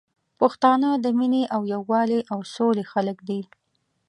پښتانه د مينې او یوالي او سولي خلګ دي